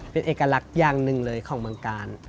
เป็นเอกลักษณ์อย่างหนึ่งเลยของเมืองกาล